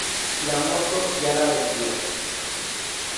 La moto ya la vendió.